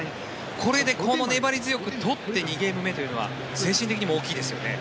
これでこの粘り強く取って２ゲーム目というのは精神的にも大きいですよね。